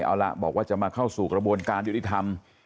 เอาล่ะบอกว่าจะมาเข้าสู่กระบวนการยุติธรรม